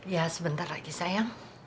ya sebentar lagi sayang